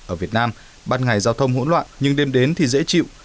ở việt nam ban ngày giao thông hỗn loạn nhưng đêm đến thì dễ chịu